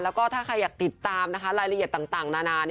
แล้วก็ถ้าใครอยากติดตามรายละเอียดต่างนานา